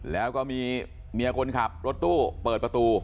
แล้วก็มีเมียคนขับรถตู้เปิดประตู